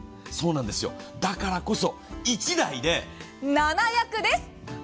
そうなんですよ、だからこそ１台で７役です。